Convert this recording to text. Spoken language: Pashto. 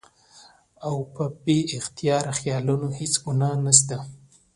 او پۀ بې اختياره خيالونو هېڅ ګناه نشته